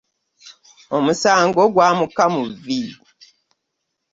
Omusango gwamuka mu vvi.